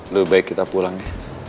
lebih baik kita pulang ya